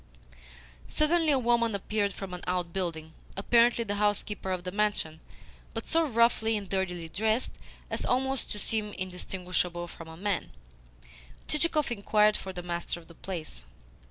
Suddenly a woman appeared from an outbuilding apparently the housekeeper of the mansion, but so roughly and dirtily dressed as almost to seem indistinguishable from a man. Chichikov inquired for the master of the place.